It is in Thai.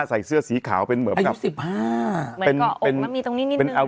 ใส่เสื้อสีขาวเป็นเหมือนกับสิบห้าเป็นเป็นมันมีตรงนี้นิดนึง